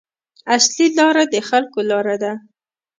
اصلي لاره د خلکو لاره ده.